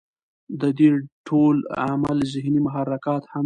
د دې ټول عمل ذهني محرکات هم وي